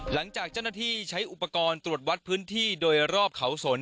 หลังจากเจ้าหน้าที่ใช้อุปกรณ์ตรวจวัดพื้นที่โดยรอบเขาสน